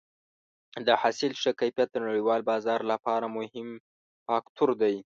د حاصل ښه کیفیت د نړیوال بازار لپاره مهم فاکتور دی.